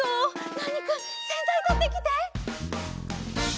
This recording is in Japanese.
ナーニくんせんざいとってきて！